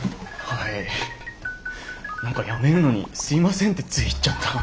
はい何か辞めるのにすいませんってつい言っちゃった。